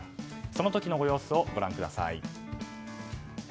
その時のご様子をご覧ください。